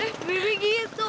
ih mimpi gitu